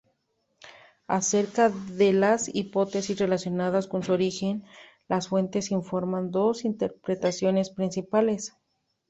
Acerca de las hipótesis relacionadas con su origen, las fuentes informan dos interpretaciones principales.